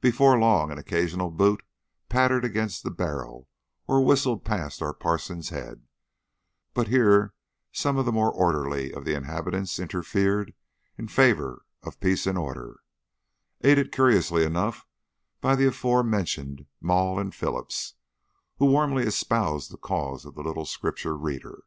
Before long an occasional boot pattered against the barrel or whistled past our parson's head; but here some of the more orderly of the inhabitants interfered in favour of peace and order, aided curiously enough by the afore mentioned Maule and Phillips, who warmly espoused the cause of the little Scripture reader.